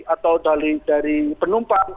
atau dari penumpang